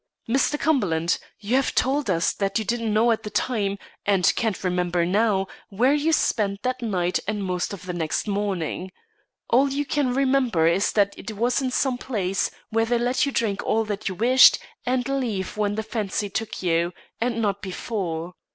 Mr. Cumberland, you have told us that you didn't know at the time, and can't remember now, where you spent that night and most of the next morning. All you can remember is that it was in some place where they let you drink all you wished and leave when the fancy took you, and not before.